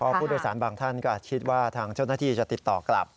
เพราะผู้โดยสารบางท่านก็คิดว่าทางเจ้าหน้าที่จะติดต่อกลับ